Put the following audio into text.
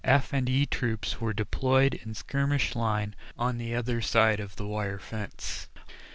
F and E Troops were deployed in skirmish line on the other side of the wire fence.